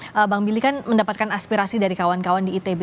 mbak friska juga bang mili kan mendapatkan aspirasi dari kawan kawan di itb